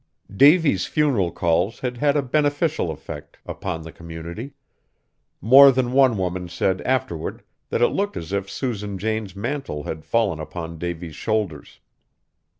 Davy's funeral calls had had a beneficial effect upon the community. More than one woman said afterward that it looked as if Susan Jane's mantle had fallen upon Davy's shoulders.